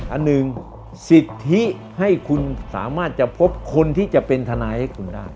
อันหนึ่งสิทธิให้คุณสามารถจะพบคนที่จะเป็นทนายให้คุณได้